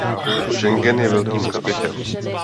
Schengen je velkým úspěchem.